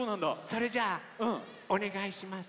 それじゃおねがいします。